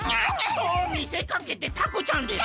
とみせかけてタコちゃんです。